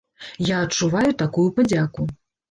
Я адчуваю такую падзяку.